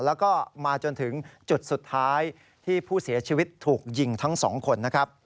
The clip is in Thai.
แล้วก็มาจนถึงจุดสุดท้ายที่ผู้เสียชีวิตถูกยิงทั้งสองคนนะครับ